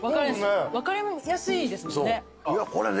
分かれやすいですもんね。